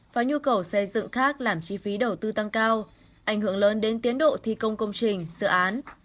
và nhu cầu xây dựng khác làm chi phí đầu tư tăng cao ảnh hưởng lớn đến tiến độ thi công công trình dự án